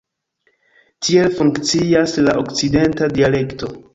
Tiel funkcias la okcidenta dialekto.